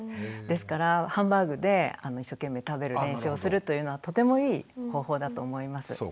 ですからハンバーグで一生懸命食べる練習をするというのはとてもいい方法だと思います。